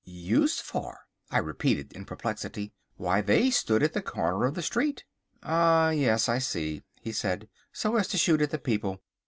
"Used for?" I repeated in perplexity. "Why, they stood at the corner of the street." "Ah, yes, I see," he said, "so as to shoot at the people.